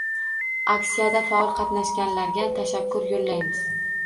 Aksiyada faol qatnashganlarga tashakkur yoʻllaymiz!